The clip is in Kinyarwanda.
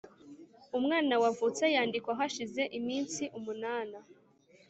umwana wavutse yandikwa hashize iminsi umunana